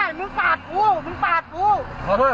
เปิดไฟขอทางออกมาแล้วอ่ะ